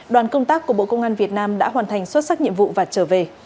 đoàn công tác của bộ công an việt nam đã hoàn thành xuất sắc nhiệm vụ và trở về